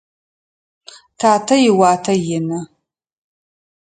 Татэ иуатэ ины.